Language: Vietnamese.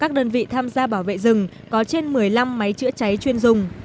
các đơn vị tham gia bảo vệ rừng có trên một mươi năm máy chữa cháy chuyên dùng